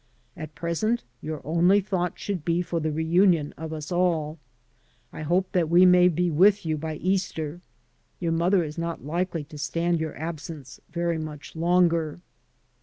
At present your only thought should be for the reunion of us all. I hope that we may be with you by Easter. Your mother is not likely to stand your absence very much longer.